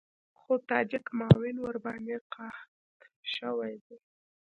خو تاجک معاون ورباندې قحط شوی دی.